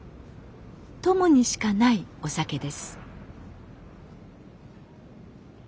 鞆にしかないお酒です。